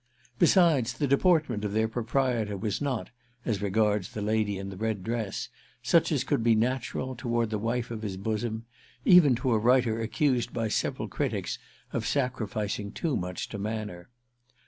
Besides, the deportment of their proprietor was not, as regards the lady in the red dress, such as could be natural, toward the wife of his bosom, even to a writer accused by several critics of sacrificing too much to manner.